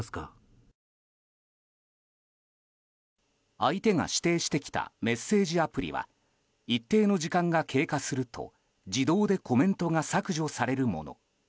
相手が指定してきたメッセージアプリは一定の時間が経過すると自動でコメントが削除されるもの。